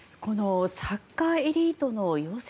サッカーエリートの養成